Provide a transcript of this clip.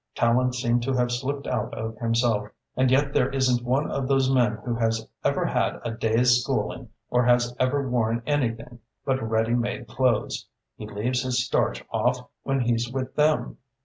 Tallente seemed to have slipped out of himself, and yet there isn't one of those men who has ever had a day's schooling or has ever worn anything but ready made clothes. He leaves his starch off when he's with them.